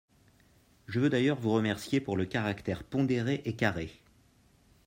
Je veux d’ailleurs vous remercier pour le caractère pondéré Et carré